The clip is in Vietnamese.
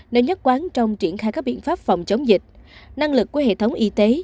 nơi nhất quán trong triển khai các biện pháp phòng chống dịch năng lực của hệ thống y tế